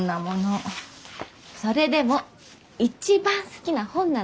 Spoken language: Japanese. それでも一番好きな本なの！